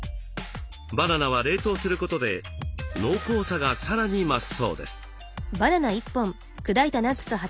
バナナは冷凍することで濃厚さがさらに増すそうです。